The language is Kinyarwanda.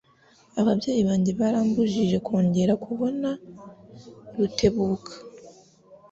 Ababyeyi banjye barambujije kongera kubona Rutebuka.